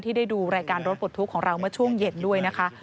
ได้ดูรายการรถปลดทุกข์ของเราเมื่อช่วงเย็นด้วยนะคะ